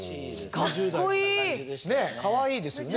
ねえかわいいですよね